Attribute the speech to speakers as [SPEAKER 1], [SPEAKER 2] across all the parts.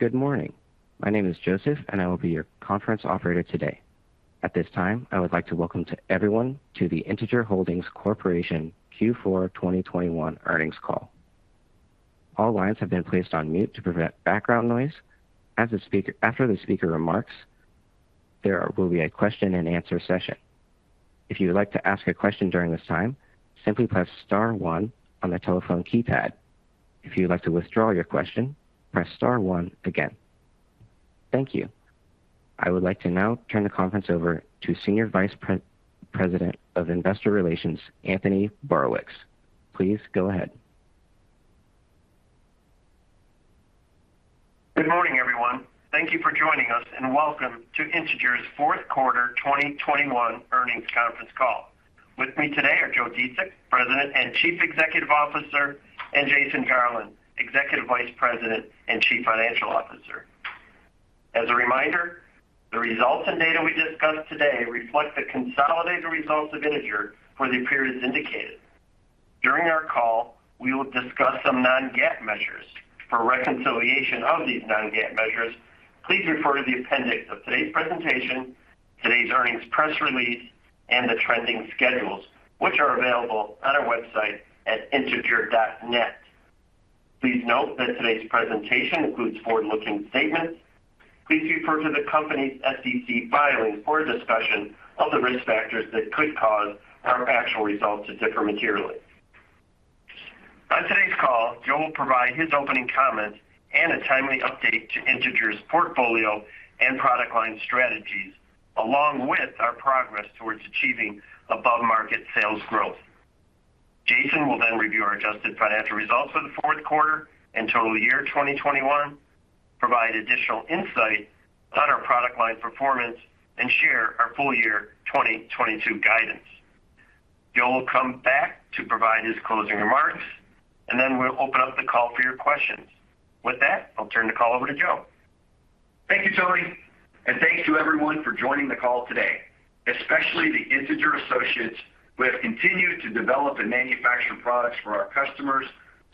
[SPEAKER 1] Good morning. My name is Joseph, and I will be your conference operator today. At this time, I would like to welcome everyone to the Integer Holdings Corporation Q4 2021 earnings call. All lines have been placed on mute to prevent background noise. After the speaker remarks, there will be a question-and-answer session. If you would like to ask a question during this time, simply press star one on the telephone keypad. If you'd like to withdraw your question, press star one again. Thank you. I would like to now turn the conference over to Senior Vice President of Investor Relations, Anthony Borowicz. Please go ahead.
[SPEAKER 2] Good morning everyone. Thank you for joining us, and welcome to Integer's fourth quarter 2021 earnings conference call. With me today are Joe Dziedzic, President and Chief Executive Officer, and Jason Garland, Executive Vice President and Chief Financial Officer. As a reminder, the results and data we discuss today reflect the consolidated results of Integer for the periods indicated. During our call, we will discuss some non-GAAP measures. For reconciliation of these non-GAAP measures, please refer to the appendix of today's presentation, today's earnings press release, and the trending schedules which are available on our website at integer.net. Please note that today's presentation includes forward-looking statements. Please refer to the company's SEC filings for a discussion of the risk factors that could cause our actual results to differ materially. On today's call, Joe will provide his opening comments and a timely update to Integer's portfolio and product line strategies, along with our progress towards achieving above-market sales growth. Jason will then review our adjusted financial results for the fourth quarter and total year 2021, provide additional insight on our product line performance, and share our full year 2022 guidance. Joe will come back to provide his closing remarks, and then we'll open up the call for your questions. With that, I'll turn the call over to Joe.
[SPEAKER 3] Thank you Tony and thank you everyone for joining the call today, especially the Integer associates who have continued to develop and manufacture products for our customers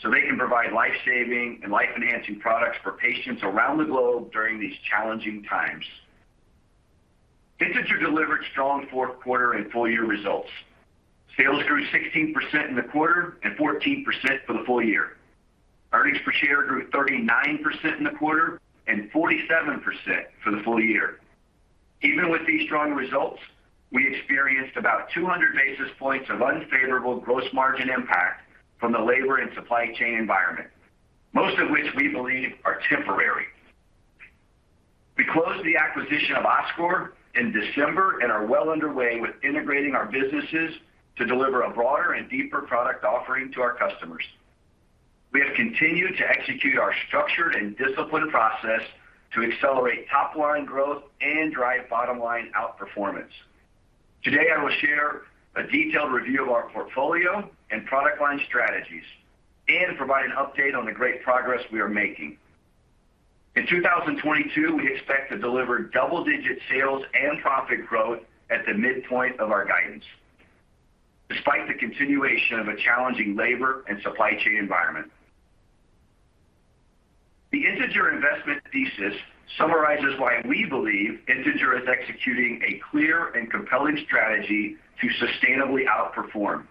[SPEAKER 3] so they can provide life-saving and life-enhancing products for patients around the globe during these challenging times. Integer delivered strong fourth quarter and full year results. Sales grew 16% in the quarter and 14% for the full year. Earnings per share grew 39% in the quarter and 47% for the full year. Even with these strong results, we experienced about 200 basis points of unfavorable gross margin impact from the labor and supply chain environment, most of which we believe are temporary. We closed the acquisition of Oscor in December and are well underway with integrating our businesses to deliver a broader and deeper product offering to our customers. We have continued to execute our structured and disciplined process to accelerate top line growth and drive bottom line outperformance. Today, I will share a detailed review of our portfolio and product line strategies and provide an update on the great progress we are making. In 2022, we expect to deliver double-digit sales and profit growth at the midpoint of our guidance, despite the continuation of a challenging labor and supply chain environment. The Integer investment thesis summarizes why we believe Integer is executing a clear and compelling strategy to sustainably outperform.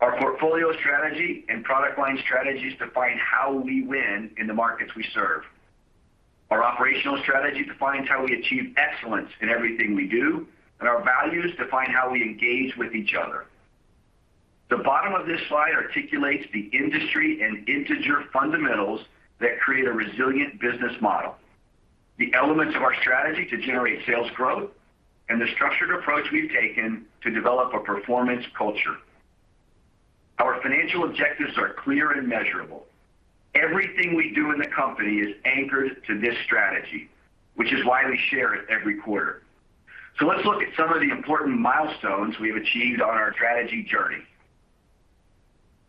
[SPEAKER 3] Our portfolio strategy and product line strategies define how we win in the markets we serve. Our operational strategy defines how we achieve excellence in everything we do, and our values define how we engage with each other. The bottom of this slide articulates the industry and Integer fundamentals that create a resilient business model. The elements of our strategy to generate sales growth and the structured approach we've taken to develop a performance culture. Our financial objectives are clear and measurable. Everything we do in the company is anchored to this strategy, which is why we share it every quarter. Let's look at some of the important milestones we have achieved on our strategy journey.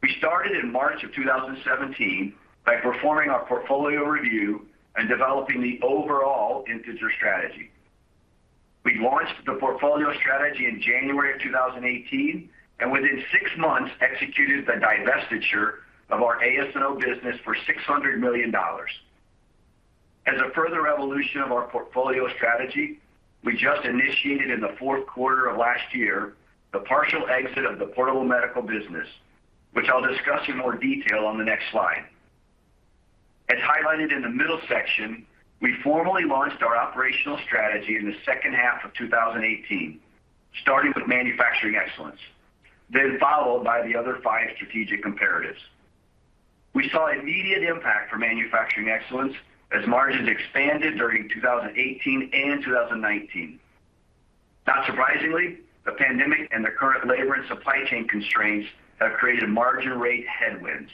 [SPEAKER 3] We started in March 2017 by performing our portfolio review and developing the overall Integer strategy. We launched the portfolio strategy in January 2018, and within six months executed the divestiture of our AS&O business for $600 million. As a further evolution of our portfolio strategy, we just initiated in the fourth quarter of last year the partial exit of the Portable Medical business, which I'll discuss in more detail on the next slide. As highlighted in the middle section, we formally launched our operational strategy in the H2 of 2018, starting with manufacturing excellence, then followed by the other five strategic imperatives. We saw immediate impact for manufacturing excellence as margins expanded during 2018 and 2019. Not surprisingly, the pandemic and the current labor and supply chain constraints have created margin rate headwinds.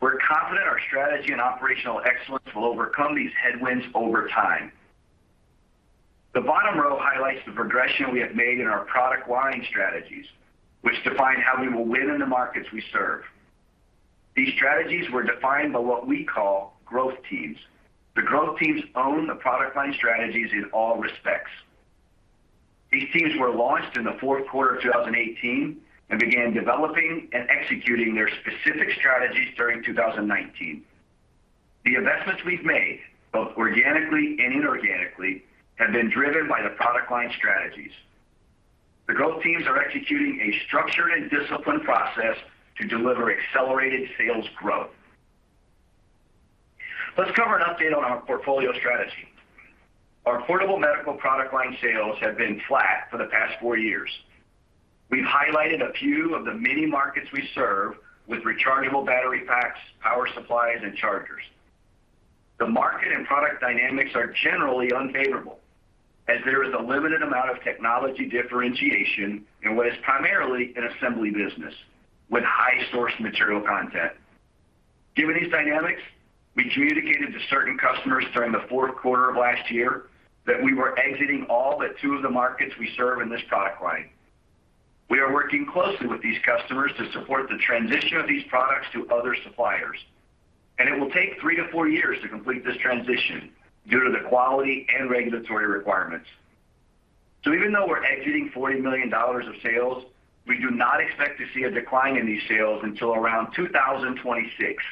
[SPEAKER 3] We're confident our strategy and operational excellence will overcome these headwinds over time. The bottom row highlights the progression we have made in our product line strategies, which define how we will win in the markets we serve. These strategies were defined by what we call growth teams. The growth teams own the product line strategies in all respects. These teams were launched in the fourth quarter of 2018 and began developing and executing their specific strategies during 2019. The investments we've made, both organically and inorganically, have been driven by the product line strategies. The growth teams are executing a structured and disciplined process to deliver accelerated sales growth. Let's cover an update on our portfolio strategy. Our Portable Medical product line sales have been flat for the past four years. We've highlighted a few of the many markets we serve with rechargeable battery packs, power supplies, and chargers. The market and product dynamics are generally unfavorable as there is a limited amount of technology differentiation in what is primarily an assembly business with high source material content. Given these dynamics, we communicated to certain customers during the fourth quarter of last year that we were exiting all but two of the markets we serve in this product line. We are working closely with these customers to support the transition of these products to other suppliers, and it will take three to four years to complete this transition due to the quality and regulatory requirements. Even though we're exiting $40 million of sales, we do not expect to see a decline in these sales until around 2026.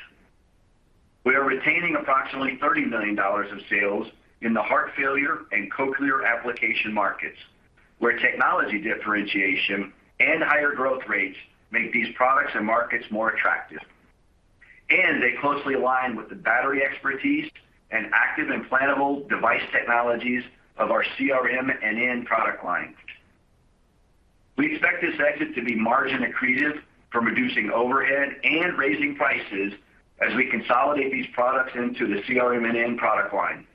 [SPEAKER 3] We are retaining approximately $30 million of sales in the heart failure and cochlear application markets, where technology differentiation and higher growth rates make these products and markets more attractive. They closely align with the battery expertise and active implantable device technologies of our CRM&N product line. We expect this exit to be margin accretive from reducing overhead and raising prices as we consolidate these products into the CRM&N product line.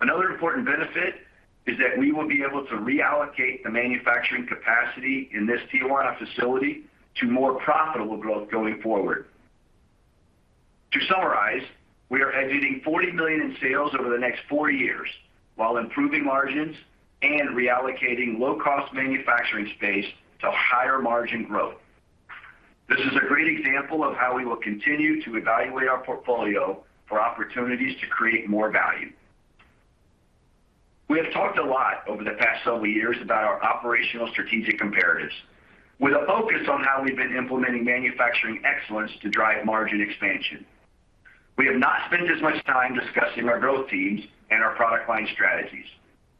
[SPEAKER 3] Another important benefit is that we will be able to reallocate the manufacturing capacity in this Tijuana facility to more profitable growth going forward. To summarize, we are exiting $40 million in sales over the next four years while improving margins and reallocating low-cost manufacturing space to higher margin growth. This is a great example of how we will continue to evaluate our portfolio for opportunities to create more value. We have talked a lot over the past several years about our operational strategic comparatives with a focus on how we've been implementing manufacturing excellence to drive margin expansion. We have not spent as much time discussing our growth teams and our product line strategies.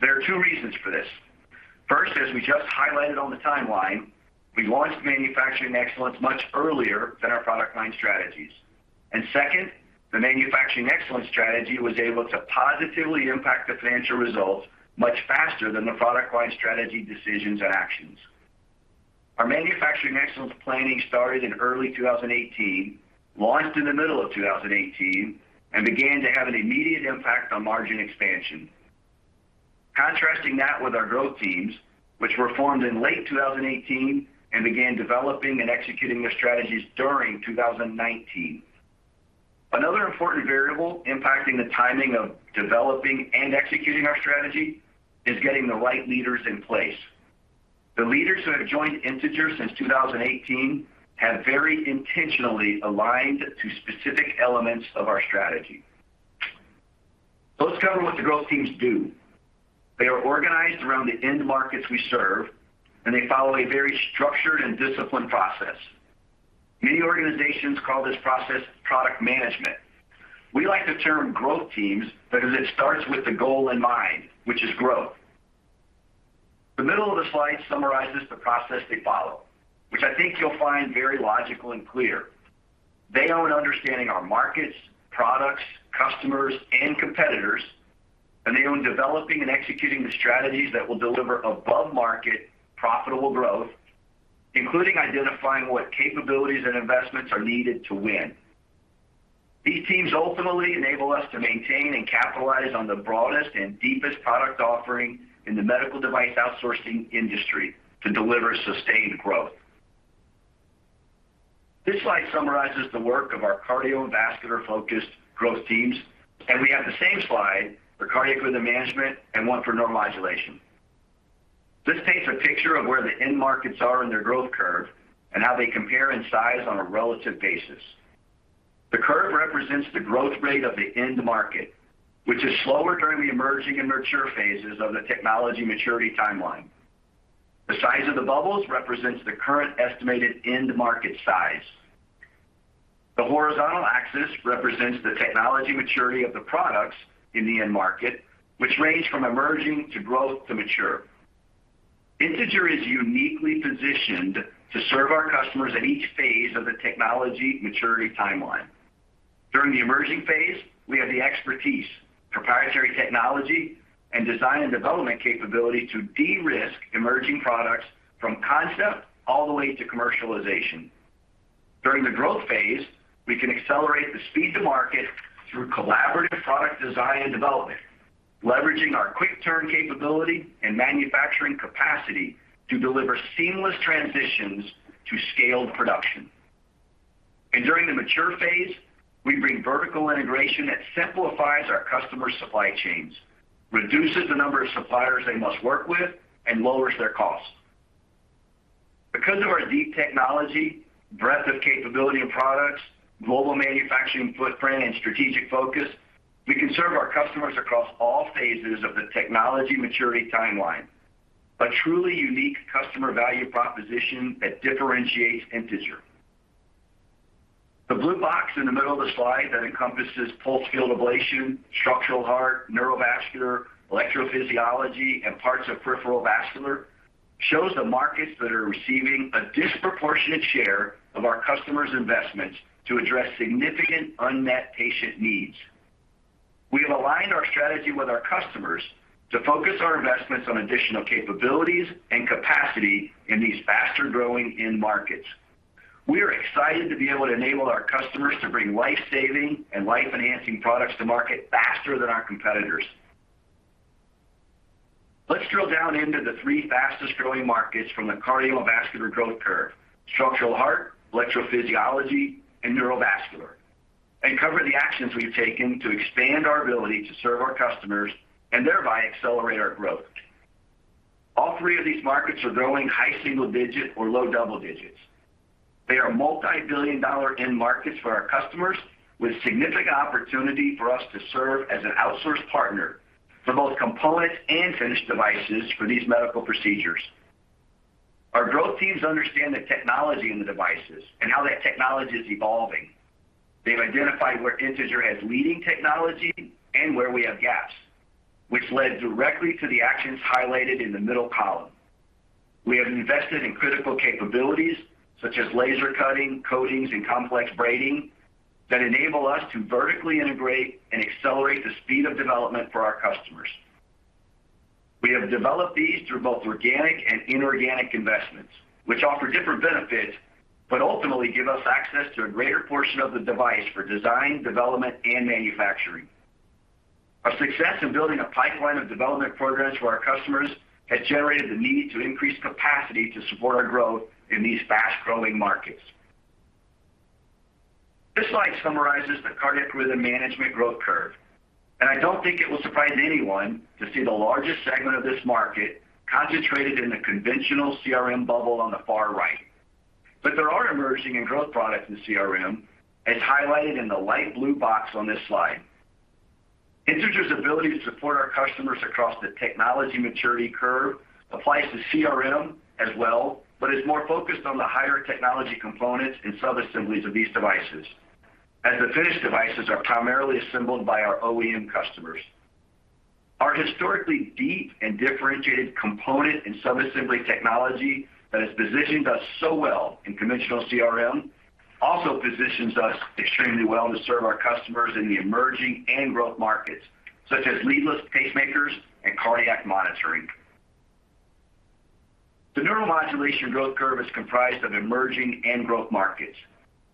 [SPEAKER 3] There are two reasons for this. First, as we just highlighted on the timeline, we launched manufacturing excellence much earlier than our product line strategies. Second, the manufacturing excellence strategy was able to positively impact the financial results much faster than the product line strategy decisions and actions. Our manufacturing excellence planning started in early 2018, launched in the middle of 2018, and began to have an immediate impact on margin expansion. Contrasting that with our growth teams, which were formed in late 2018 and began developing and executing their strategies during 2019. Another important variable impacting the timing of developing and executing our strategy is getting the right leaders in place. The leaders who have joined Integer since 2018 have very intentionally aligned to specific elements of our strategy. Let's cover what the growth teams do. They are organized around the end markets we serve, and they follow a very structured and disciplined process. Many organizations call this process product management. We like the term growth teams because it starts with the goal in mind, which is growth. The middle of the slide summarizes the process they follow, which I think you'll find very logical and clear. They own understanding our markets, products, customers, and competitors, and they own developing and executing the strategies that will deliver above-market profitable growth, including identifying what capabilities and investments are needed to win. These teams ultimately enable us to maintain and capitalize on the broadest and deepest product offering in the medical device outsourcing industry to deliver sustained growth. This slide summarizes the work of our cardiovascular-focused growth teams, and we have the same slide for Cardiac Rhythm Management and one for Neuromodulation. This paints a picture of where the end markets are in their growth curve and how they compare in size on a relative basis. The curve represents the growth rate of the end market, which is slower during the emerging and mature phases of the technology maturity timeline. The size of the bubbles represents the current estimated end market size. The horizontal axis represents the technology maturity of the products in the end market, which range from emerging to growth to mature. Integer is uniquely positioned to serve our customers at each phase of the technology maturity timeline. During the emerging phase, we have the expertise, proprietary technology, and design and development capability to de-risk emerging products from concept all the way to commercialization. During the growth phase, we can accelerate the speed to market through collaborative product design and development, leveraging our quick turn capability and manufacturing capacity to deliver seamless transitions to scaled production. During the mature phase, we bring vertical integration that simplifies our customers' supply chains, reduces the number of suppliers they must work with, and lowers their costs. Because of our deep technology, breadth of capability and products, global manufacturing footprint, and strategic focus, we can serve our customers across all phases of the technology maturity timeline. A truly unique customer value proposition that differentiates Integer. The blue box in the middle of the slide that encompasses pulsed-field ablation, structural heart, neurovascular, electrophysiology, and parts of peripheral vascular shows the markets that are receiving a disproportionate share of our customers' investments to address significant unmet patient needs. We have aligned our strategy with our customers to focus our investments on additional capabilities and capacity in these faster-growing end markets. We are excited to be able to enable our customers to bring life-saving and life-enhancing products to market faster than our competitors. Let's drill down into the three fastest-growing markets from the cardiovascular growth curve, structural heart, electrophysiology, and neurovascular, and cover the actions we've taken to expand our ability to serve our customers and thereby accelerate our growth. All three of these markets are growing high single digit or low double digits. They are multi-billion-dollar end markets for our customers with significant opportunity for us to serve as an outsource partner for both components and finished devices for these medical procedures. Our growth teams understand the technology in the devices and how that technology is evolving. They've identified where Integer has leading technology and where we have gaps, which led directly to the actions highlighted in the middle column. We have invested in critical capabilities such as laser cutting, coatings, and complex braiding that enable us to vertically integrate and accelerate the speed of development for our customers. We have developed these through both organic and inorganic investments, which offer different benefits, but ultimately give us access to a greater portion of the device for design, development, and manufacturing. Our success in building a pipeline of development programs for our customers has generated the need to increase capacity to support our growth in these fast-growing markets. This slide summarizes the Cardiac Rhythm Management growth curve, and I don't think it will surprise anyone to see the largest segment of this market concentrated in the conventional CRM bubble on the far right. There are emerging and growth products in CRM, as highlighted in the light blue box on this slide. Integer's ability to support our customers across the technology maturity curve applies to CRM as well, but is more focused on the higher technology components and subassemblies of these devices, as the finished devices are primarily assembled by our OEM customers. Our historically deep and differentiated component and subassembly technology that has positioned us so well in conventional CRM also positions us extremely well to serve our customers in the emerging and growth markets, such as leadless pacemakers and cardiac monitoring. The neuromodulation growth curve is comprised of emerging and growth markets.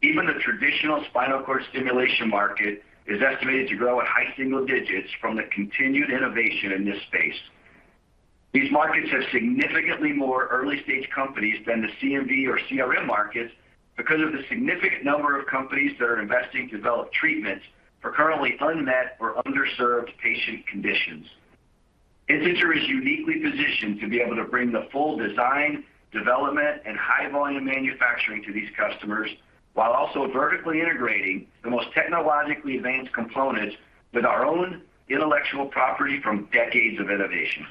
[SPEAKER 3] Even the traditional spinal cord stimulation market is estimated to grow at high single digits from the continued innovation in this space. These markets have significantly more early-stage companies than the C&V or CRM markets because of the significant number of companies that are investing to develop treatments for currently unmet or underserved patient conditions. Integer is uniquely positioned to be able to bring the full design, development, and high-volume manufacturing to these customers, while also vertically integrating the most technologically advanced components with our own intellectual property from decades of innovation.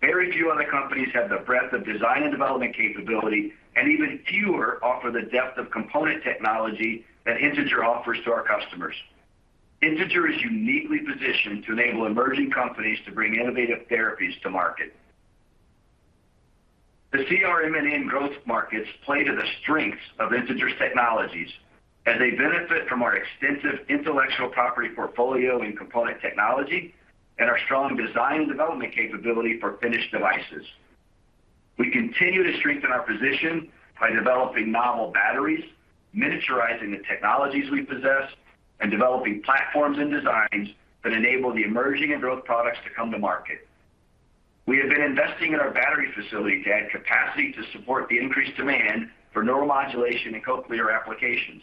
[SPEAKER 3] Very few other companies have the breadth of design and development capability, and even fewer offer the depth of component technology that Integer offers to our customers. Integer is uniquely positioned to enable emerging companies to bring innovative therapies to market. The CRM and emerging growth markets play to the strengths of Integer's technologies as they benefit from our extensive intellectual property portfolio in component technology and our strong design and development capability for finished devices. We continue to strengthen our position by developing novel batteries, miniaturizing the technologies we possess, and developing platforms and designs that enable the emerging and growth products to come to market. We have been investing in our battery facility to add capacity to support the increased demand for neuromodulation and cochlear applications.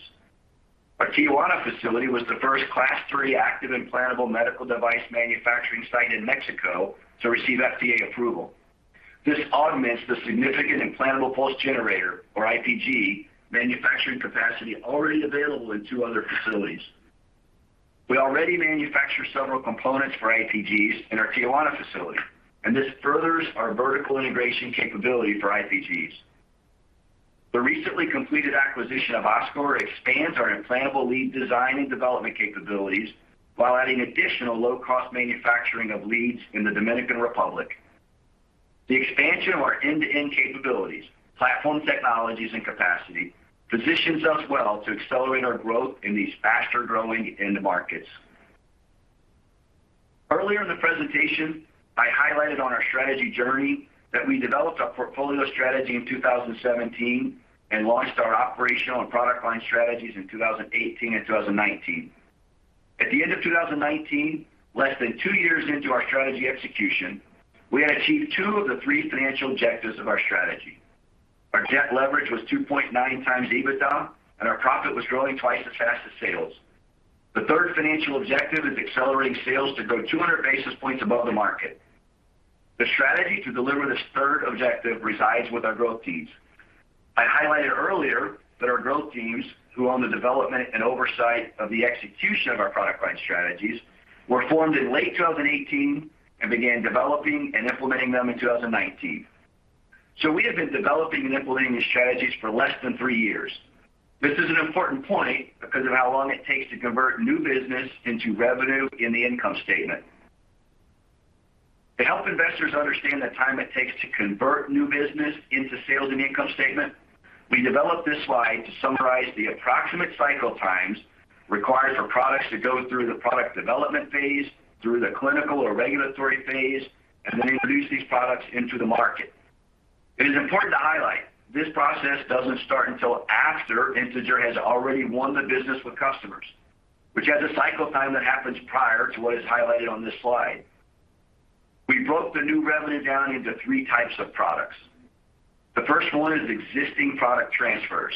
[SPEAKER 3] Our Tijuana facility was the first Class III active implantable medical device manufacturing site in Mexico to receive FDA approval. This augments the significant implantable pulse generator, or IPG, manufacturing capacity already available in two other facilities. We already manufacture several components for IPGs in our Tijuana facility, and this furthers our vertical integration capability for IPGs. The recently completed acquisition of Oscor expands our implantable lead design and development capabilities while adding additional low-cost manufacturing of leads in the Dominican Republic. The expansion of our end-to-end capabilities, platform technologies, and capacity positions us well to accelerate our growth in these faster-growing end markets. Earlier in the presentation, I highlighted on our strategy journey that we developed a portfolio strategy in 2017 and launched our operational and product line strategies in 2018 and 2019. At the end of 2019, less than two years into our strategy execution, we had achieved two of the three financial objectives of our strategy. Our debt leverage was 2.9x EBITDA, and our profit was growing twice as fast as sales. The third financial objective is accelerating sales to grow 200 basis points above the market. The strategy to deliver this third objective resides with our growth teams. I highlighted earlier that our growth teams, who own the development and oversight of the execution of our product line strategies, were formed in late 2018 and began developing and implementing them in 2019. We have been developing and implementing these strategies for less than three years. This is an important point because of how long it takes to convert new business into revenue in the income statement. To help investors understand the time it takes to convert new business into sales and income statement, we developed this slide to summarize the approximate cycle times required for products to go through the product development phase, through the clinical or regulatory phase, and then introduce these products into the market. It is important to highlight, this process doesn't start until after Integer has already won the business with customers, which has a cycle time that happens prior to what is highlighted on this slide. We broke the new revenue down into three types of products. The first one is existing product transfers.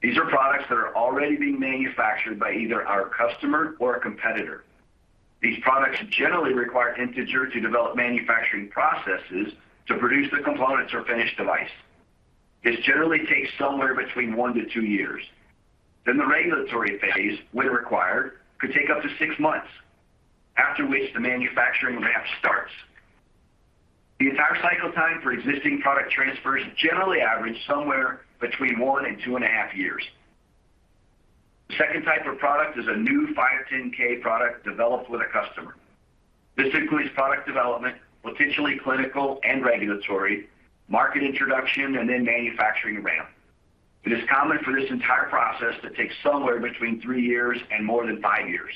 [SPEAKER 3] These are products that are already being manufactured by either our customer or a competitor. These products generally require Integer to develop manufacturing processes to produce the components or finished device. This generally takes somewhere between one to two years. Then the regulatory phase, when required, could take up to 6 months, after which the manufacturing ramp starts. The entire cycle time for existing product transfers generally average somewhere between one to two and half years. The second type of product is a new 510(k) product developed with a customer. This includes product development, potentially clinical and regulatory, market introduction, and then manufacturing ramp. It is common for this entire process to take somewhere between three years and more than five years.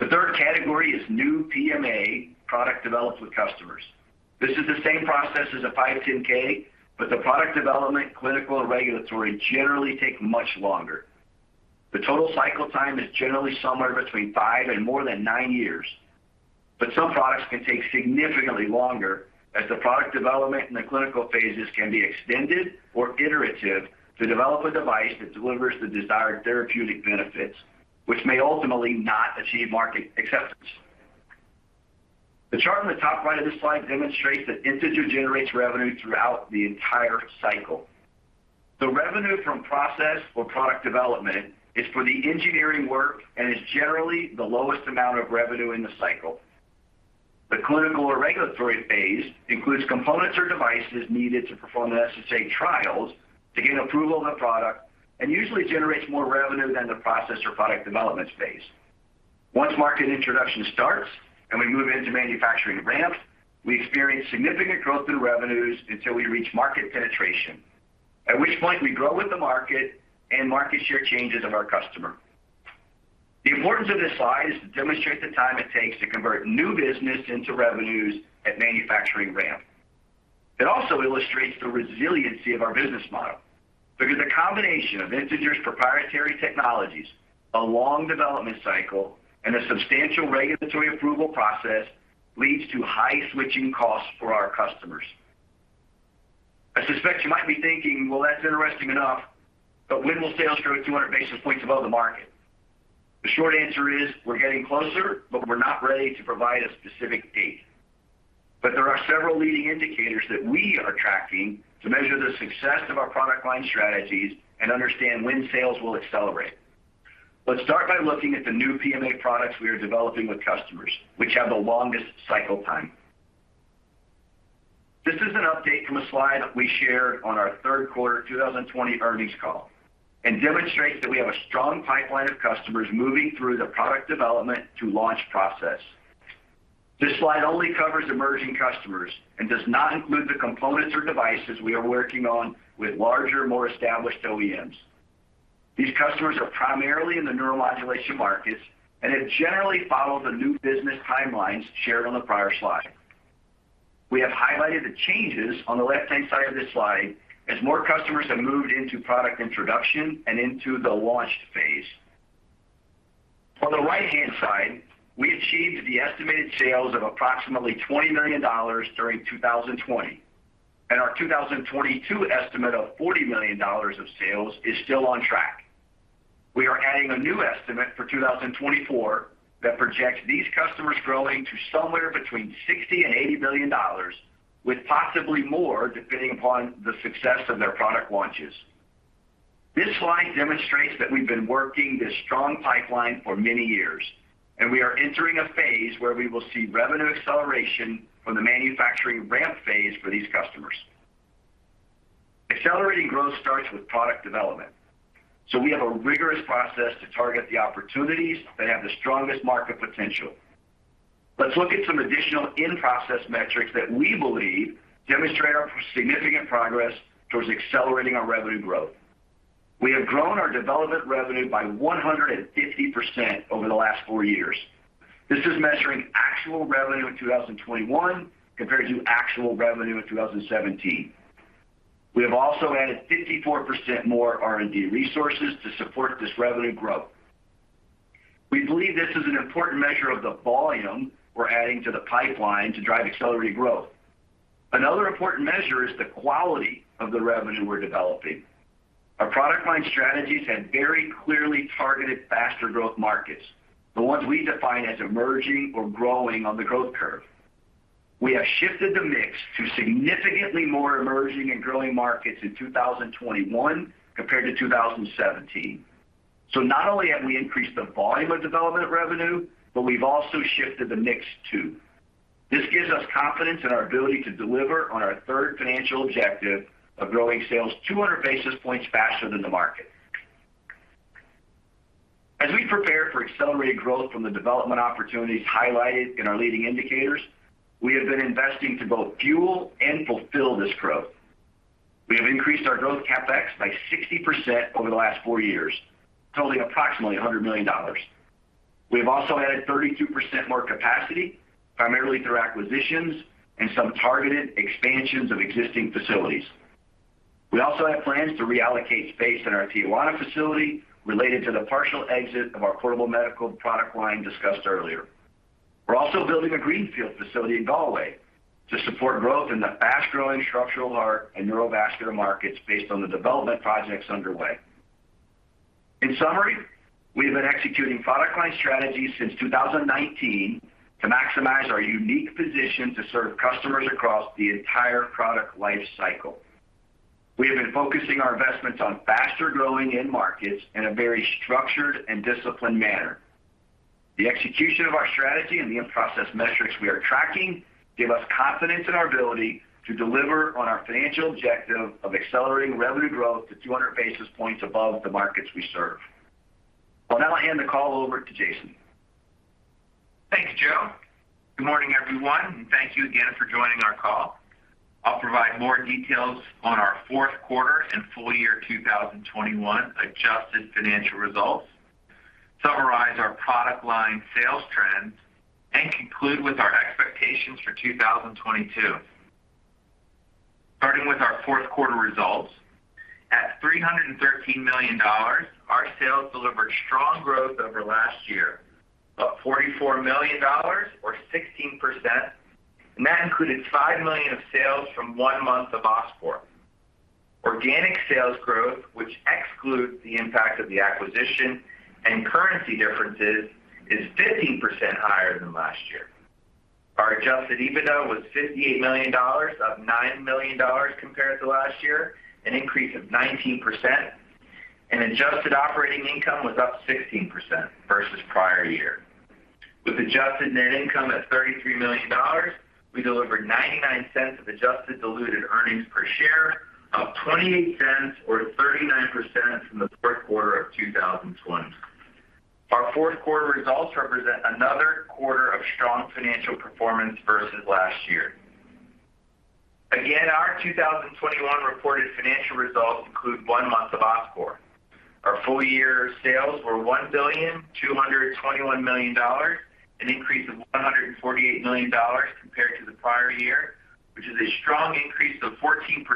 [SPEAKER 3] The third category is new PMA product developed with customers. This is the same process as a 510(k), but the product development, clinical and regulatory generally take much longer. The total cycle time is generally somewhere between five and more than nine years. Some products can take significantly longer as the product development and the clinical phases can be extended or iterative to develop a device that delivers the desired therapeutic benefits, which may ultimately not achieve market acceptance. The chart on the top right of this slide demonstrates that Integer generates revenue throughout the entire cycle. The revenue from process or product development is for the engineering work and is generally the lowest amount of revenue in the cycle. The clinical or regulatory phase includes components or devices needed to perform the IDE trials to gain approval of the product and usually generates more revenue than the process or product development phase. Once market introduction starts and we move into manufacturing ramp, we experience significant growth in revenues until we reach market penetration, at which point we grow with the market and market share changes of our customer. The importance of this slide is to demonstrate the time it takes to convert new business into revenues at manufacturing ramp. It also illustrates the resiliency of our business model because a combination of Integer's proprietary technologies, a long development cycle, and a substantial regulatory approval process leads to high switching costs for our customers. I suspect you might be thinking, "Well, that's interesting enough, but when will sales grow 200 basis points above the market?" The short answer is we're getting closer, but we're not ready to provide a specific date. There are several leading indicators that we are tracking to measure the success of our product line strategies and understand when sales will accelerate. Let's start by looking at the new PMA products we are developing with customers, which have the longest cycle time. This is an update from a slide we shared on our third quarter 2020 earnings call and demonstrates that we have a strong pipeline of customers moving through the product development to launch process. This slide only covers emerging customers and does not include the components or devices we are working on with larger, more established OEMs. These customers are primarily in the neuromodulation markets and have generally followed the new business timelines shared on the prior slide. We have highlighted the changes on the left-hand side of this slide as more customers have moved into product introduction and into the launch phase. On the right-hand side, we achieved the estimated sales of approximately $20 million during 2020, and our 2022 estimate of $40 million of sales is still on track. We are adding a new estimate for 2024 that projects these customers growing to somewhere between $60 million and $80 million, with possibly more depending upon the success of their product launches. This slide demonstrates that we've been working this strong pipeline for many years, and we are entering a phase where we will see revenue acceleration from the manufacturing ramp phase for these customers. Accelerating growth starts with product development, so we have a rigorous process to target the opportunities that have the strongest market potential. Let's look at some additional in-process metrics that we believe demonstrate our significant progress towards accelerating our revenue growth. We have grown our development revenue by 150% over the last four years. This is measuring actual revenue in 2021 compared to actual revenue in 2017. We have also added 54% more R&D resources to support this revenue growth. We believe this is an important measure of the volume we're adding to the pipeline to drive accelerated growth. Another important measure is the quality of the revenue we're developing. Our product line strategies have very clearly targeted faster growth markets, the ones we define as emerging or growing on the growth curve. We have shifted the mix to significantly more emerging and growing markets in 2021 compared to 2017. Not only have we increased the volume of development revenue, but we've also shifted the mix too. This gives us confidence in our ability to deliver on our third financial objective of growing sales 200 basis points faster than the market. As we prepare for accelerated growth from the development opportunities highlighted in our leading indicators, we have been investing to both fuel and fulfill this growth. We have increased our growth CapEx by 60% over the last four years, totaling approximately $100 million. We have also added 32% more capacity, primarily through acquisitions and some targeted expansions of existing facilities. We also have plans to reallocate space in our Tijuana facility related to the partial exit of our Portable Medical product line discussed earlier. We're also building a greenfield facility in Galway to support growth in the fast-growing structural heart and neurovascular markets based on the development projects underway. In summary, we have been executing product line strategies since 2019 to maximize our unique position to serve customers across the entire product life cycle. We have been focusing our investments on faster-growing end markets in a very structured and disciplined manner. The execution of our strategy and the in-process metrics we are tracking give us confidence in our ability to deliver on our financial objective of accelerating revenue growth to 200 basis points above the markets we serve. I'll now hand the call over to Jason.
[SPEAKER 4] Thanks Joe. Good morning everyone and thank you again for joining our call. I'll provide more details on our fourth quarter and full year 2021 adjusted financial results, summarize our product line sales trends, and conclude with our expectations for 2022. Starting with our fourth quarter results. At $313 million, our sales delivered strong growth over last year, up $44 million or 16%, and that included $5 million of sales from one month of Oscor. Organic sales growth, which excludes the impact of the acquisition and currency differences, is 15% higher than last year. Our Adjusted EBITDA was $58 million, up $9 million compared to last year, an increase of 19%, and adjusted operating income was up 16% versus prior year. With adjusted net income at $33 million, we delivered $0.99 of adjusted diluted earnings per share, up $0.28 or 39% from the fourth quarter of 2020. Our fourth quarter results represent another quarter of strong financial performance versus last year. Again, our 2021 reported financial results include one month of Oscor. Our full-year sales were $1.221 billion, an increase of $148 million compared to the prior year, which is a strong increase of 14%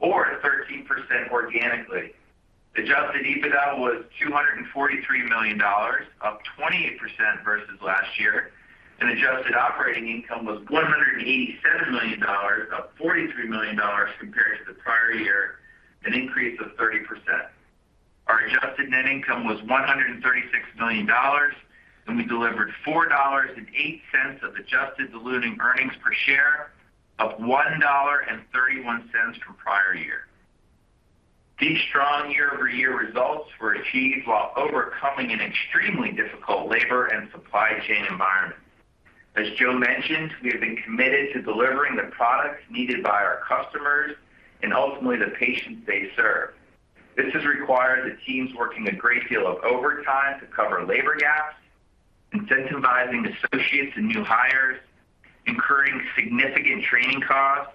[SPEAKER 4] or 13% organically. Adjusted EBITDA was $243 million, up 28% versus last year, and adjusted operating income was $187 million, up $43 million compared to the prior year, an increase of 30%. Our adjusted net income was $136 million, and we delivered $4.08 of adjusted diluted earnings per share of $1.31 from prior year. These strong year-over-year results were achieved while overcoming an extremely difficult labor and supply chain environment. As Joe mentioned, we have been committed to delivering the products needed by our customers and ultimately the patients they serve. This has required the teams working a great deal of overtime to cover labor gaps, incentivizing associates and new hires, incurring significant training costs,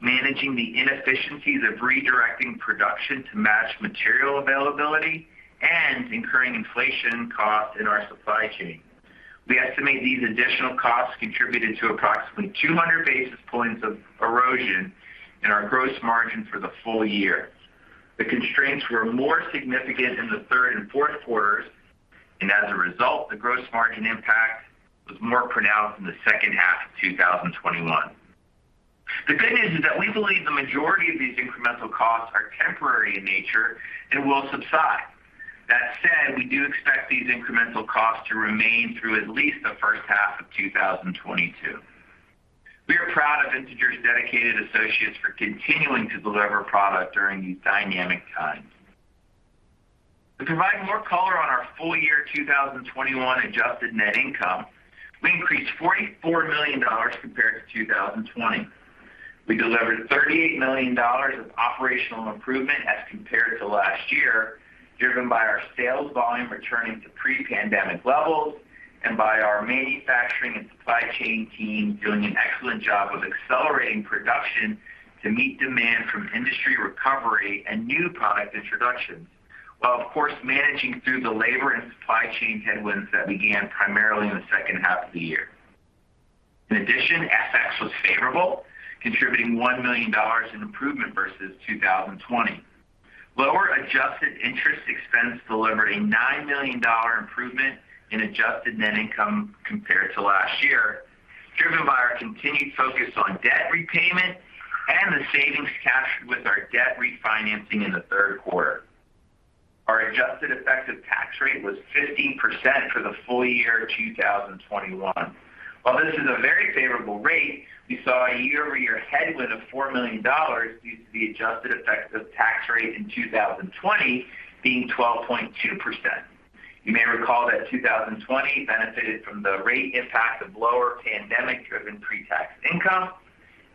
[SPEAKER 4] managing the inefficiencies of redirecting production to match material availability, and incurring inflation costs in our supply chain. We estimate these additional costs contributed to approximately 200 basis points of erosion in our gross margin for the full year. The constraints were more significant in the third and fourth quarters, and as a result, the gross margin impact was more pronounced in the H2 of 2021. The good news is that we believe the majority of these incremental costs are temporary in nature and will subside. That said, we do expect these incremental costs to remain through at least the H1 of 2022. We are proud of Integer's dedicated associates for continuing to deliver product during these dynamic times. To provide more color on our full year 2021 adjusted net income, we increased $44 million compared to 2020. We delivered $38 million of operational improvement as compared to last year, driven by our sales volume returning to pre-pandemic levels and by our manufacturing and supply chain team doing an excellent job of accelerating production to meet demand from industry recovery and new product introductions, while of course, managing through the labor and supply chain headwinds that began primarily in the H2 of the year. In addition, FX was favorable, contributing $1 million in improvement versus 2020. Lower adjusted interest expense delivered a $9 million improvement in adjusted net income compared to last year, driven by our continued focus on debt repayment and the savings captured with our debt refinancing in the third quarter. Our adjusted effective tax rate was 15% for the full year 2021. While this is a very favorable rate, we saw a year-over-year headwind of $4 million due to the adjusted effective tax rate in 2020 being 12.2%. You may recall that 2020 benefited from the rate impact of lower pandemic-driven pre-tax income,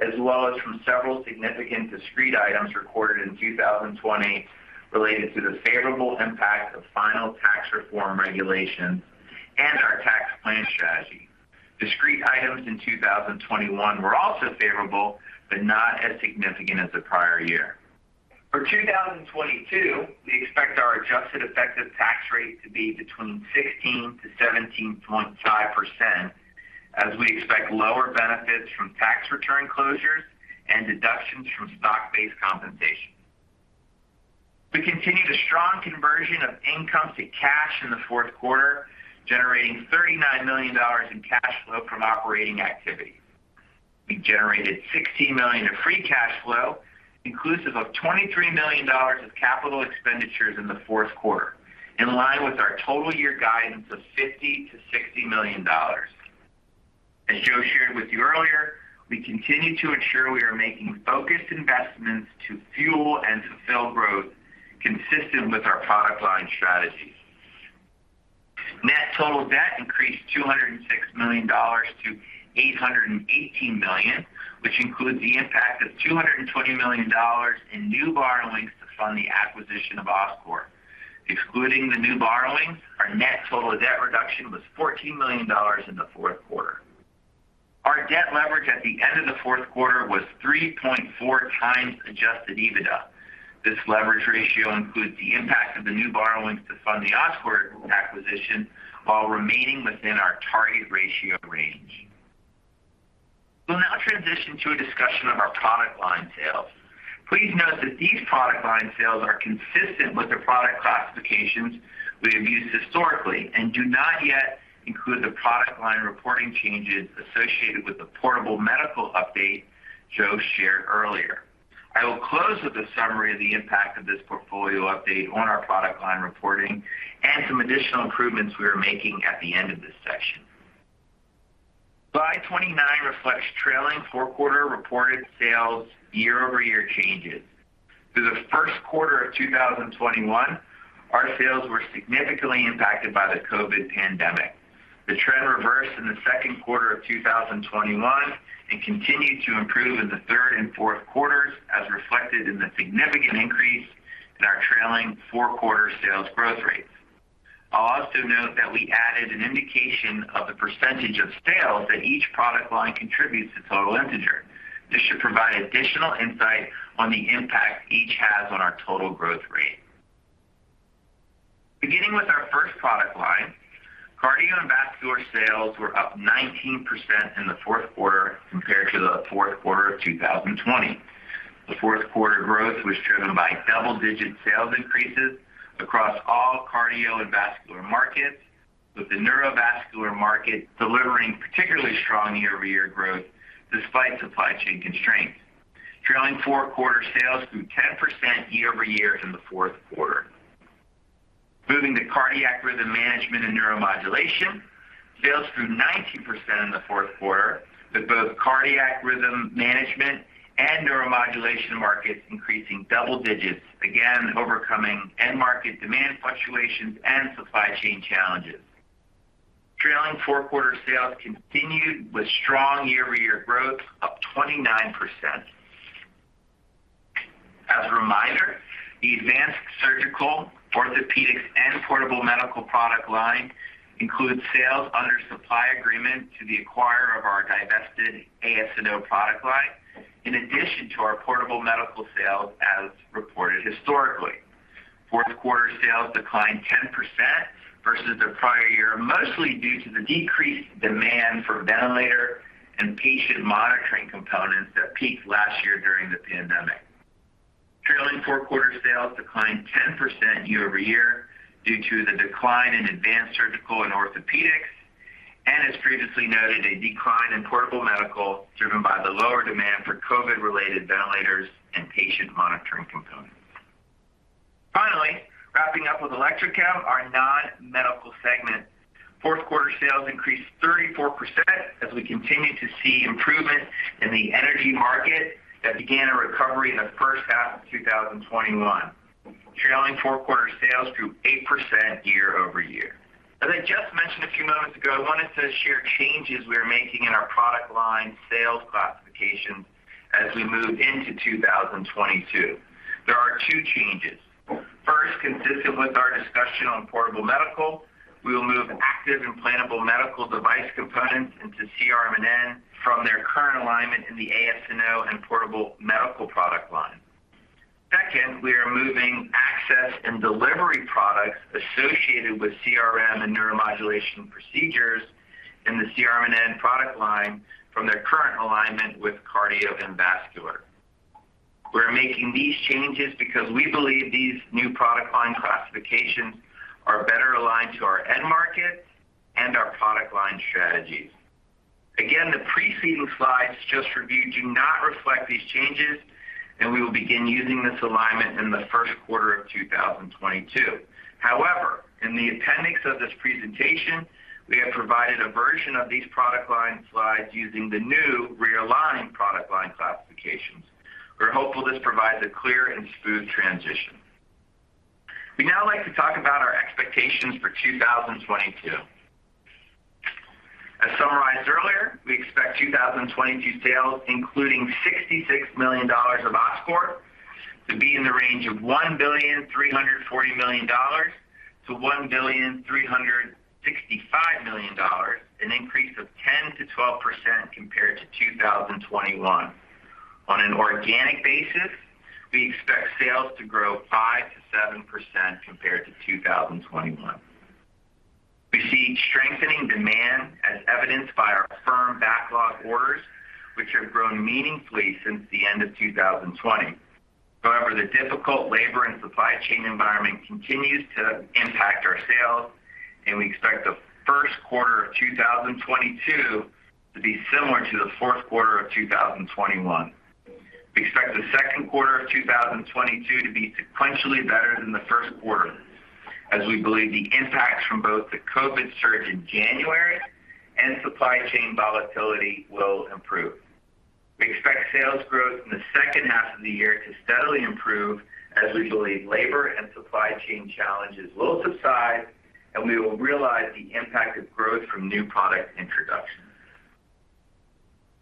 [SPEAKER 4] as well as from several significant discrete items recorded in 2020 related to the favorable impact of final tax reform regulations and our tax plan strategy. Discrete items in 2021 were also favorable, but not as significant as the prior year. For 2022, we expect our adjusted effective tax rate to be between 16%-17.5% as we expect lower benefits from tax return closures and deductions from stock-based compensation. We continued a strong conversion of income to cash in the fourth quarter, generating $39 million in cash flow from operating activities. We generated $16 million in free cash flow, inclusive of $23 million of capital expenditures in the fourth quarter, in line with our total year guidance of $50 million-$60 million. As Joe shared with you earlier, we continue to ensure we are making focused investments to fuel and fulfill growth consistent with our product line strategy. Net total debt increased $206 million-$818 million, which includes the impact of $220 million in new borrowings to fund the acquisition of Oscor. Excluding the new borrowings, our net total debt reduction was $14 million in the fourth quarter. Our debt leverage at the end of the fourth quarter was 3.4x Adjusted EBITDA. This leverage ratio includes the impact of the new borrowings to fund the Oscor acquisition while remaining within our target ratio range. We'll now transition to a discussion of our product line sales. Please note that these product line sales are consistent with the product classifications we have used historically and do not yet include the product line reporting changes associated with the portable medical update Joe shared earlier. I will close with a summary of the impact of this portfolio update on our product line reporting and some additional improvements we are making at the end of this section. Slide 29 reflects trailing four quarter reported sales year-over-year changes. Through the first quarter of 2021, our sales were significantly impacted by the COVID pandemic. The trend reversed in the second quarter of 2021 and continued to improve in the third and fourth quarters, as reflected in the significant increase in our trailing four quarter sales growth rates. I'll also note that we added an indication of the percentage of sales that each product line contributes to total Integer. This should provide additional insight on the impact each has on our total growth rate. Beginning with our first product line, Cardio & Vascular sales were up 19% in the fourth quarter compared to the fourth quarter of 2020. The fourth quarter growth was driven by double-digit sales increases across all Cardio & Vascular markets, with the neurovascular market delivering particularly strong year-over-year growth despite supply chain constraints. Trailing four-quarter sales grew 10% year-over-year in the fourth quarter. Moving to Cardiac Rhythm Management & Neuromodulation, sales grew 19% in the fourth quarter, with both Cardiac Rhythm Management & Neuromodulation markets increasing double digits, again overcoming end market demand fluctuations and supply chain challenges. Trailing four-quarter sales continued with strong year-over-year growth, up 29%. As a reminder, the Advanced Surgical, Orthopedics & Portable Medical product line includes sales under supply agreement to the acquirer of our divested AS&O product line, in addition to our portable medical sales as reported historically. Fourth quarter sales declined 10% versus the prior year, mostly due to the decreased demand for ventilator and patient monitoring components that peaked last year during the pandemic. Trailing four quarter sales declined 10% year-over-year due to the decline in advanced surgical and orthopedics, and as previously noted, a decline in portable medical driven by the lower demand for COVID-related ventilators and patient monitoring components. Finally, wrapping up with Electrochem, our non-medical segment. Fourth quarter sales increased 34% as we continue to see improvement in the energy market that began a recovery in the H1 of 2021. Trailing four-quarter sales grew 8% year-over-year. As I just mentioned a few moments ago, I wanted to share changes we are making in our product line sales classifications as we move into 2022. There are two changes. First, consistent with our discussion on Portable Medical, we will move active implantable medical device components into CRM&N from their current alignment in the AS&O and Portable Medical product line. Second, we are moving access and delivery products associated with CRM and neuromodulation procedures in the CRM&N product line from their current alignment with Cardio & Vascular. We're making these changes because we believe these new product line classifications are better aligned to our end markets and our product line strategies. Again, the preceding slides just reviewed do not reflect these changes, and we will begin using this alignment in the first quarter of 2022. However, in the appendix of this presentation, we have provided a version of these product line slides using the new realigned product line classifications. We're hopeful this provides a clear and smooth transition. We'd now like to talk about our expectations for 2022. As summarized earlier, we expect 2022 sales, including $66 million of Oscor to be in the range of $1.34 billion-$1.365 billion, an increase of 10%-12% compared to 2021. On an organic basis, we expect sales to grow 5%-7% compared to 2021. We see strengthening demand as evidenced by our firm backlog orders, which have grown meaningfully since the end of 2020. However, the difficult labor and supply chain environment continues to impact our sales, and we expect the first quarter of 2022 to be similar to the fourth quarter of 2021. We expect the second quarter of 2022 to be sequentially better than the first quarter as we believe the impacts from both the COVID surge in January and supply chain volatility will improve. We expect sales growth in the H2 of the year to steadily improve as we believe labor and supply chain challenges will subside, and we will realize the impact of growth from new product introductions.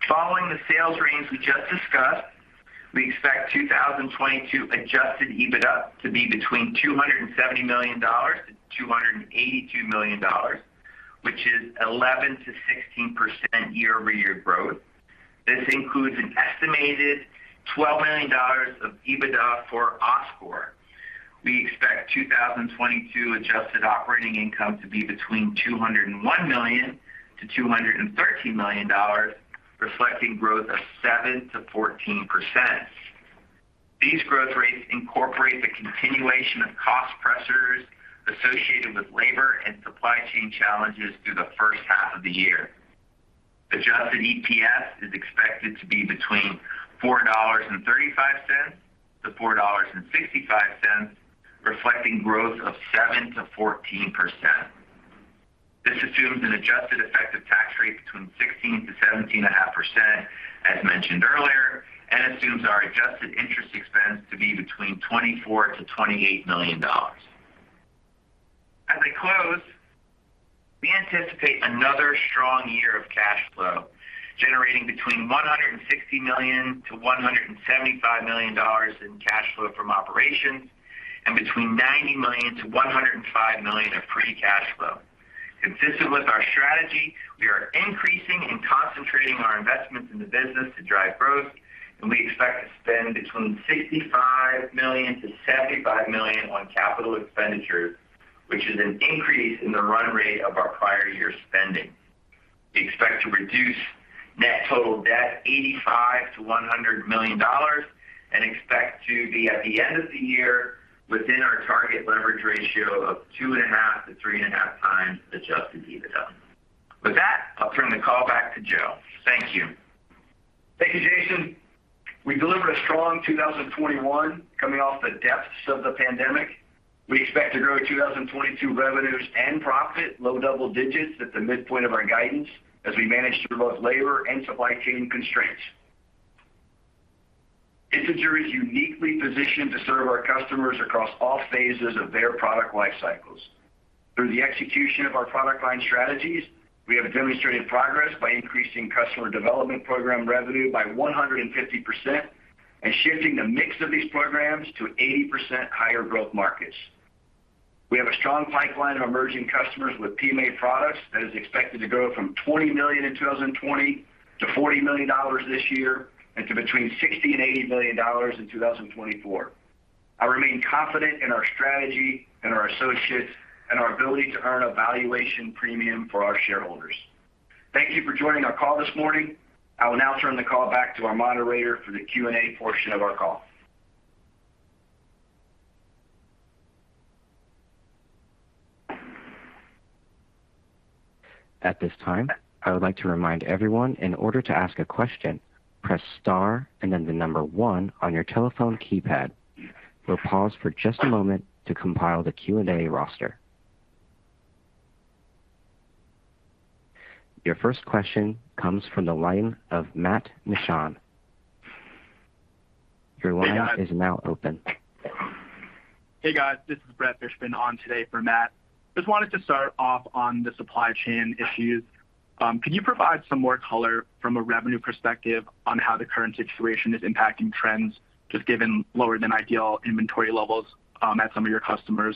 [SPEAKER 4] Following the sales range we just discussed, we expect 2022 Adjusted EBITDA to be between $270 million-$282 million, which is 11%-16% year-over-year growth. This includes an estimated $12 million of EBITDA for Oscor. We expect 2022 adjusted operating income to be between $201 million-$213 million, reflecting growth of 7%-14%. These growth rates incorporate the continuation of cost pressures associated with labor and supply chain challenges through the H1 of the year. Adjusted EPS is expected to be between $4.35-$4.65, reflecting growth of 7%-14%. This assumes an adjusted effective tax rate between 16%-17.5%, as mentioned earlier, and assumes our adjusted interest expense to be between $24 million-$28 million. As I close, we anticipate another strong year of cash flow, generating between $160 million-$175 million in cash flow from operations and between $90 million-$105 million of free cash flow. Consistent with our strategy, we are increasing and concentrating our investments in the business to drive growth, and we expect to spend between $65 million-$75 million on capital expenditures, which is an increase in the run rate of our prior year spending. We expect to reduce net total debt $85 million-$100 million and expect to be at the end of the year within our target leverage ratio of 2.5-3.5x Adjusted EBITDA. With that, I'll turn the call back to Joe. Thank you.
[SPEAKER 3] Thank you, Jason. We delivered a strong 2021 coming off the depths of the pandemic. We expect to grow 2022 revenues and profit low double digits at the midpoint of our guidance as we manage through both labor and supply chain constraints. Integer is uniquely positioned to serve our customers across all phases of their product life cycles. Through the execution of our product line strategies, we have demonstrated progress by increasing customer development program revenue by 150% and shifting the mix of these programs to 80% higher growth markets. We have a strong pipeline of emerging customers with PMA products that is expected to grow from $20 million in 2020 to $40 million this year and to between $60 million and $80 million in 2024. I remain confident in our strategy and our associates and our ability to earn a valuation premium for our shareholders. Thank you for joining our call this morning. I will now turn the call back to our moderator for the Q&A portion of our call.
[SPEAKER 1] At this time, I would like to remind everyone in order to ask a question, press star and then 1 on your telephone keypad. We'll pause for just a moment to compile the Q&A roster. Your first question comes from the line of Matt Mishan. Your line is now open.
[SPEAKER 5] Hey, guys. This is Brett Fishbin on today for Matt. Just wanted to start off on the supply chain issues. Can you provide some more color from a revenue perspective on how the current situation is impacting trends, just given lower than ideal inventory levels at some of your customers?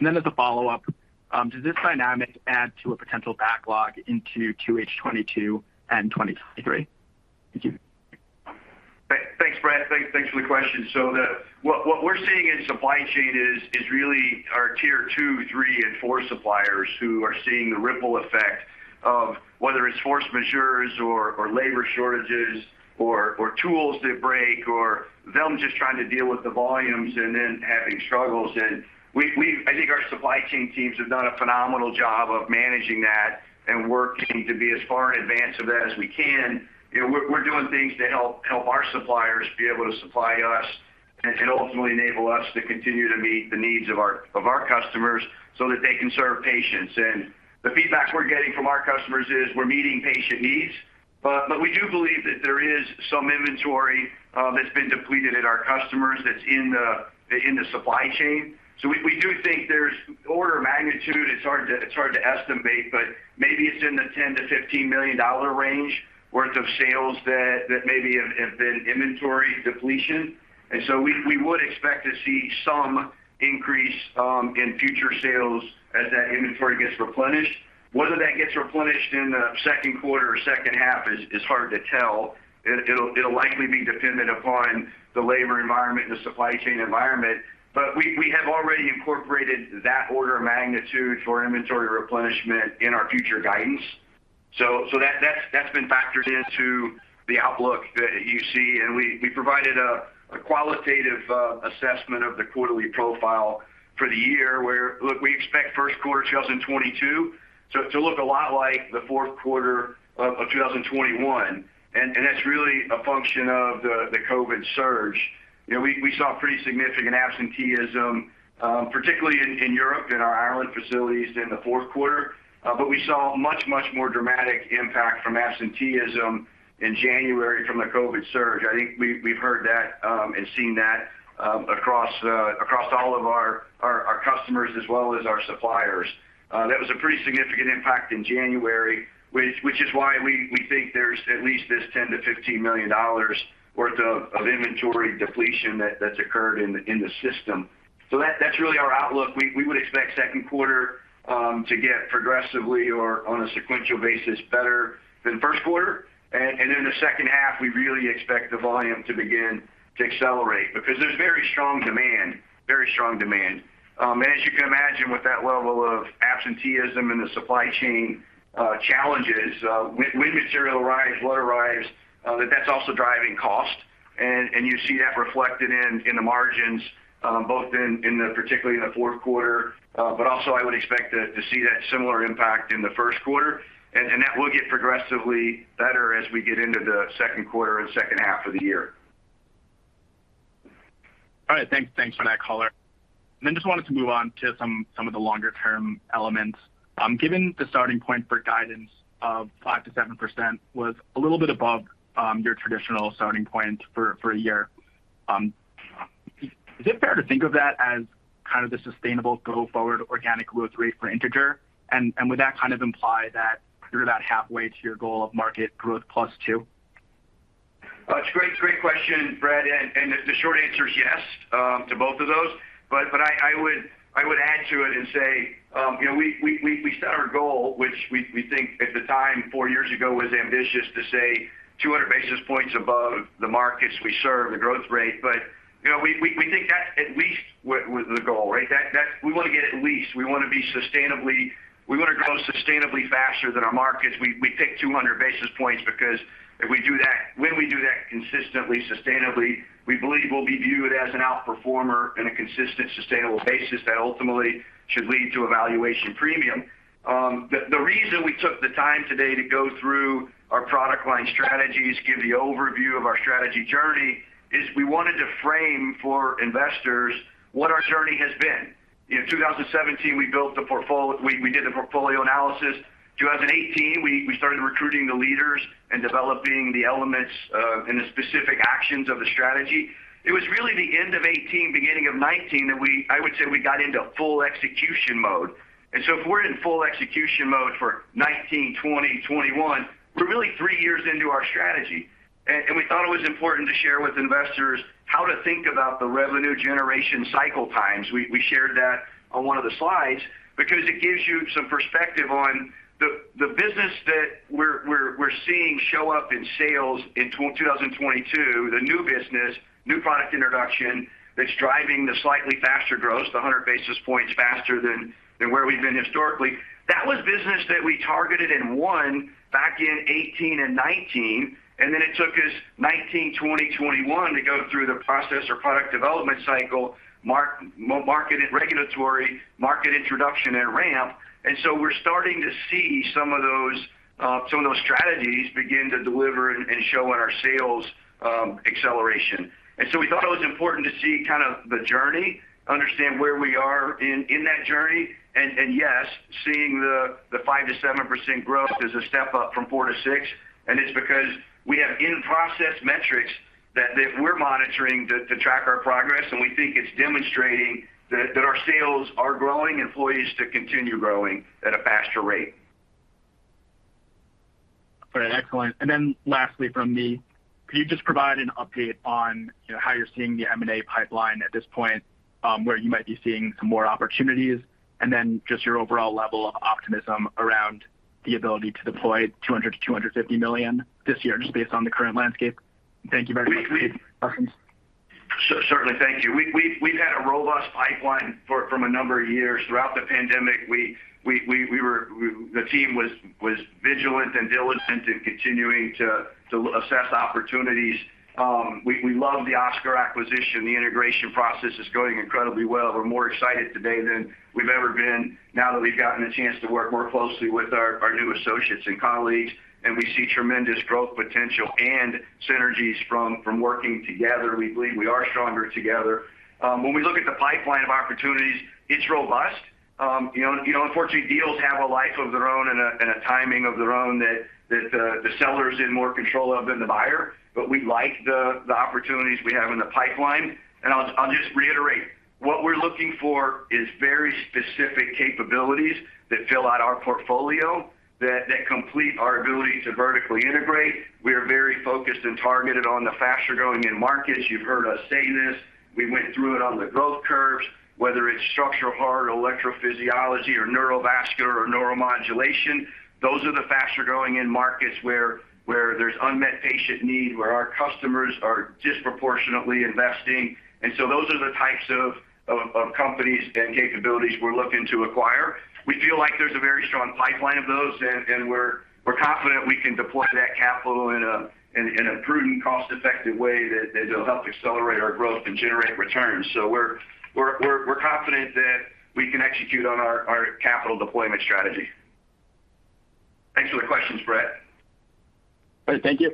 [SPEAKER 5] Then as a follow-up, does this dynamic add to a potential backlog into Q2 2022 and 2023? Thank you.
[SPEAKER 3] What we're seeing in supply chain is really our tier two, three, and four suppliers who are seeing the ripple effect of whether it's force majeure or labor shortages or tools that break or them just trying to deal with the volumes and then having struggles. I think our supply chain teams have done a phenomenal job of managing that and working to be as far in advance of that as we can. You know, we're doing things to help our suppliers be able to supply us and ultimately enable us to continue to meet the needs of our customers so that they can serve patients. The feedback we're getting from our customers is we're meeting patient needs, but we do believe that there is some inventory that's been depleted at our customers that's in the supply chain. We do think there's order of magnitude. It's hard to estimate, but maybe it's in the $10million-$15 million range worth of sales that maybe have been inventory depletion. We would expect to see some increase in future sales as that inventory gets replenished. Whether that gets replenished in the second quarter or H2 is hard to tell. It'll likely be dependent upon the labor environment and the supply chain environment. We have already incorporated that order of magnitude for inventory replenishment in our future guidance. That's been factored into the outlook that you see. We provided a qualitative assessment of the quarterly profile for the year where, look, we expect first quarter 2022 to look a lot like the fourth quarter of 2021. That's really a function of the COVID surge. You know, we saw pretty significant absenteeism, particularly in Europe, in our Ireland facilities in the fourth quarter. We saw much more dramatic impact from absenteeism in January from the COVID surge. I think we've heard that and seen that across all of our customers as well as our suppliers. That was a pretty significant impact in January, which is why we think there's at least this $10 million-$15 million worth of inventory depletion that's occurred in the system. That's really our outlook. We would expect second quarter to get progressively or on a sequential basis better than first quarter. In the H2, we really expect the volume to begin to accelerate because there's very strong demand. As you can imagine, with that level of absenteeism and the supply chain challenges, when material arrives, whatever arrives, that's also driving cost. You see that reflected in the margins, both, particularly in the fourth quarter. I would expect to see that similar impact in the first quarter. That will get progressively better as we get into the second quarter and H2 of the year.
[SPEAKER 5] All right. Thanks for that color. I just wanted to move on to some of the longer term elements. Given the starting point for guidance of 5%-7% was a little bit above your traditional starting point for a year, is it fair to think of that as kind of the sustainable go forward organic growth rate for Integer? Would that kind of imply that you're about halfway to your goal of market growth +2%?
[SPEAKER 3] It's a great question, Brad, and the short answer is yes to both of those. I would add to it and say, you know, we set our goal, which we think at the time, four years ago, was ambitious to say 200 basis points above the markets we serve, the growth rate. You know, we think that at least was the goal, right? That we wanna get at least. We wanna grow sustainably faster than our markets. We picked 200 basis points because if we do that, when we do that consistently, sustainably, we believe we'll be viewed as an outperformer in a consistent, sustainable basis that ultimately should lead to a valuation premium. The reason we took the time today to go through our product line strategies, give the overview of our strategy journey, is we wanted to frame for investors what our journey has been. In 2017, we did the portfolio analysis. 2018, we started recruiting the leaders and developing the elements, and the specific actions of the strategy. It was really the end of 2018, beginning of 2019 that I would say we got into full execution mode. If we're in full execution mode for 2019, 2020, 2021, we're really three years into our strategy. We thought it was important to share with investors how to think about the revenue generation cycle times. We shared that on one of the slides because it gives you some perspective on the business that we're seeing show up in sales in 2022, the new business, new product introduction that's driving the slightly faster growth, the 100 basis points faster than where we've been historically. That was business that we targeted and won back in 2018 and 2019, and then it took us 2019, 2020, 2021 to go through the process or product development cycle, market and regulatory, market introduction, and ramp. We're starting to see some of those strategies begin to deliver and show in our sales acceleration. We thought it was important to see kind of the journey, understand where we are in that journey. Yes, seeing the 5%-7% growth is a step up from 4%-6%, and it's because we have in-process metrics that we're monitoring to track our progress. We think it's demonstrating that our sales are growing and poised to continue growing at a faster rate.
[SPEAKER 5] All right, excellent. Lastly from me, can you just provide an update on, you know, how you're seeing the M&A pipeline at this point, where you might be seeing some more opportunities? Just your overall level of optimism around the ability to deploy $200 million-$250 million this year just based on the current landscape. Thank you very much.
[SPEAKER 3] Certainly. Thank you. We've had a robust pipeline from a number of years. Throughout the pandemic, the team was vigilant and diligent in continuing to assess opportunities. We love the Oscor acquisition. The integration process is going incredibly well. We're more excited today than we've ever been now that we've gotten a chance to work more closely with our new associates and colleagues, and we see tremendous growth potential and synergies from working together. We believe we are stronger together. When we look at the pipeline of opportunities, it's robust. You know, unfortunately, deals have a life of their own and a timing of their own that the seller is in more control of than the buyer. We like the opportunities we have in the pipeline. I'll just reiterate what we're looking for is very specific capabilities that fill out our portfolio that complete our ability to vertically integrate. We are very focused and targeted on the faster-growing end markets. You've heard us say this. We went through it on the growth curves, whether it's structural heart or electrophysiology or neurovascular or neuromodulation. Those are the faster-growing end markets where there's unmet patient need, where our customers are disproportionately investing. Those are the types of companies and capabilities we're looking to acquire. We feel like there's a very strong pipeline of those, and we're confident we can deploy that capital in a prudent, cost-effective way that'll help accelerate our growth and generate returns. We're confident that we can execute on our capital deployment strategy. Thanks for the question, Brett.
[SPEAKER 5] All right. Thank you.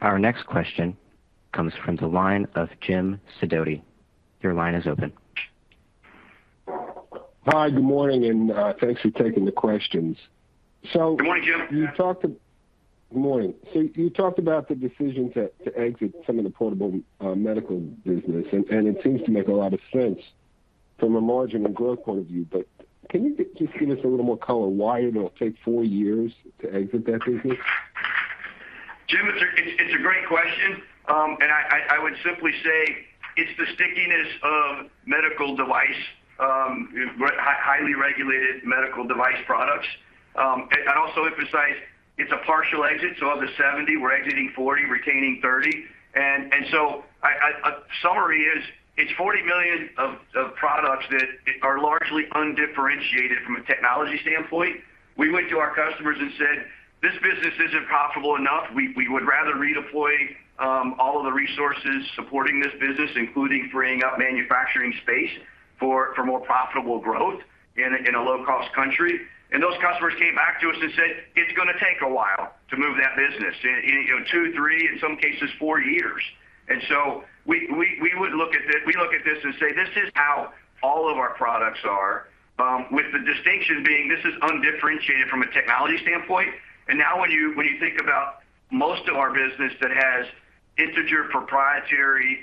[SPEAKER 1] Our next question comes from the line of Jim Sidoti. Your line is open.
[SPEAKER 6] Hi, good morning, and thanks for taking the questions.
[SPEAKER 3] Good morning, Jim.
[SPEAKER 6] Good morning. You talked about the decision to exit some of the Portable Medical business, and it seems to make a lot of sense from a margin and growth point of view. But can you just give us a little more color why it'll take four years to exit that business?
[SPEAKER 3] Jim, it's a great question. I would simply say it's the stickiness of medical device, highly regulated medical device products. I'd also emphasize it's a partial exit. Of the 70, we're exiting 40, retaining 30. A summary is it's $40 million of products that are largely undifferentiated from a technology standpoint. We went to our customers and said, "This business isn't profitable enough. We would rather redeploy all of the resources supporting this business, including freeing up manufacturing space for more profitable growth in a low-cost country." Those customers came back to us and said, "It's gonna take a while to move that business, you know, two, three, in some cases, four years." We look at this and say, "This is how all of our products are," with the distinction being this is undifferentiated from a technology standpoint. Now when you think about most of our business that has Integer proprietary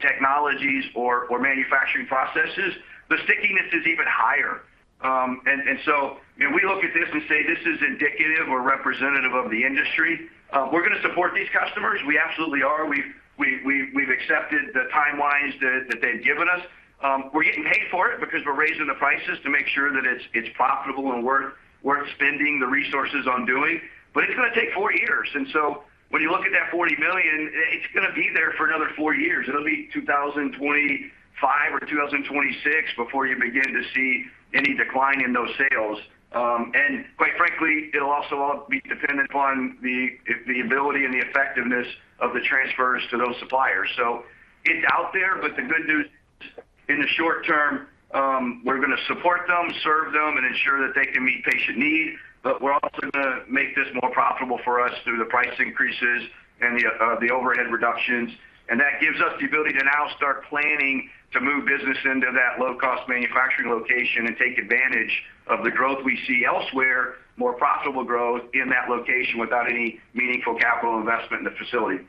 [SPEAKER 3] technologies or manufacturing processes, the stickiness is even higher. You know, we look at this and say, this is indicative or representative of the industry. We're gonna support these customers. We absolutely are. We've accepted the timelines that they've given us. We're getting paid for it because we're raising the prices to make sure that it's profitable and worth spending the resources on doing. But it's gonna take four years. When you look at that $40 million, it's gonna be there for another four years. It'll be 2025 or 2026 before you begin to see any decline in those sales. Quite frankly, it'll also all be dependent upon the ability and the effectiveness of the transfers to those suppliers. It's out there, but the good news, in the short term, we're gonna support them, serve them, and ensure that they can meet patient need. We're also gonna make this more profitable for us through the price increases and the overhead reductions. That gives us the ability to now start planning to move business into that low-cost manufacturing location and take advantage of the growth we see elsewhere, more profitable growth in that location without any meaningful capital investment in the facility.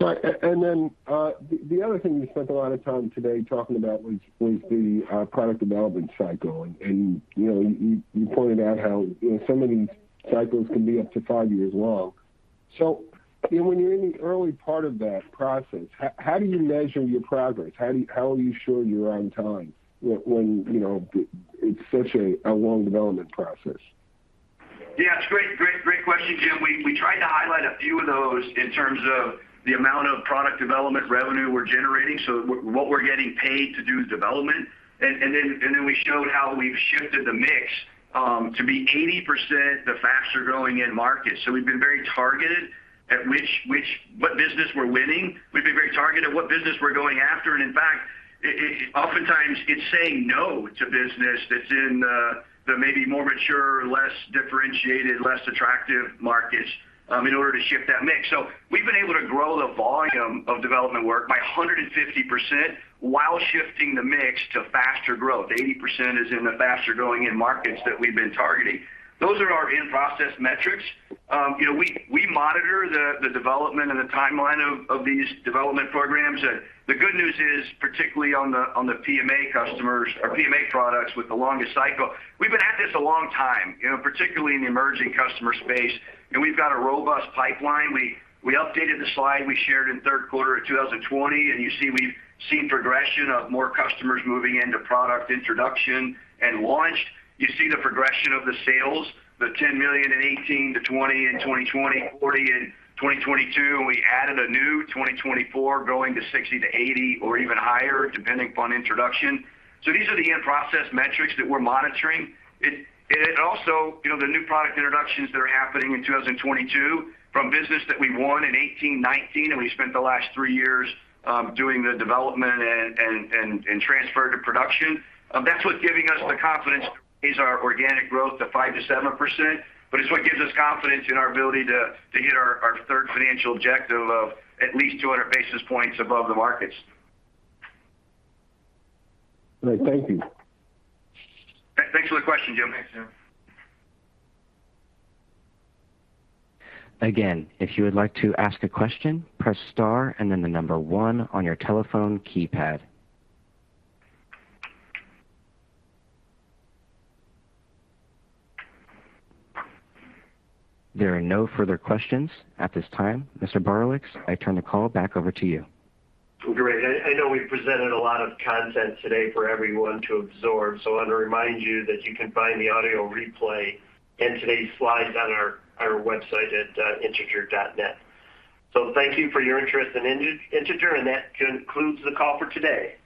[SPEAKER 6] Right. Then the other thing you spent a lot of time today talking about was the product development cycle. You know, you pointed out how, you know, some of these cycles can be up to five years long. You know, when you're in the early part of that process, how do you measure your progress? How are you sure you're on time when, you know, it's such a long development process?
[SPEAKER 3] Yeah, it's great question, Jim. We tried to highlight a few of those in terms of the amount of product development revenue we're generating, so what we're getting paid to do development. We showed how we've shifted the mix to be 80% the faster-growing end markets. We've been very targeted at what business we're winning. We've been very targeted what business we're going after. In fact, oftentimes it's saying no to business that's in the maybe more mature, less differentiated, less attractive markets in order to shift that mix. We've been able to grow the volume of development work by 150% while shifting the mix to faster growth. 80% is in the faster-growing end markets that we've been targeting. Those are our in-process metrics. You know, we monitor the development and the timeline of these development programs. The good news is, particularly on the PMA customers or PMA products with the longest cycle, we've been at this a long time, you know, particularly in the emerging customer space, and we've got a robust pipeline. We updated the slide we shared in third quarter of 2020, and you see we've seen progression of more customers moving into product introduction and launched. You see the progression of the sales, the $10 million in 2018 to $20 million in 2020, $40 million in 2022, and we added a new 2024 going to $60million-$80 million or even higher, depending upon introduction. These are the in-process metrics that we're monitoring. It also, you know, the new product introductions that are happening in 2022 from business that we won in 2018, 2019, and we spent the last three years doing the development and transfer to production. That's what's giving us the confidence is our organic growth to 5%-7%. It's what gives us confidence in our ability to hit our third financial objective of at least 200 basis points above the markets.
[SPEAKER 6] Great. Thank you.
[SPEAKER 3] Thanks for the question, Jim.
[SPEAKER 1] Again, if you would like to ask a question, press star and then the number one on your telephone keypad. There are no further questions at this time. Mr. Borowicz, I turn the call back over to you.
[SPEAKER 2] Great. I know we presented a lot of content today for everyone to absorb, so I want to remind you that you can find the audio replay and today's slides on our website at integer.net. Thank you for your interest in Integer, and that concludes the call for today.